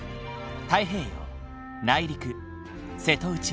太平洋内陸瀬戸内